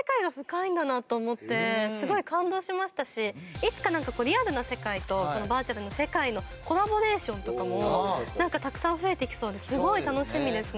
いつかリアルな世界とバーチャルな世界のコラボレーションとかもなんかたくさん増えてきそうですごい楽しみですね。